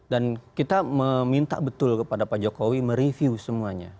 dan kita meminta betul kepada pak jokowi mereview semuanya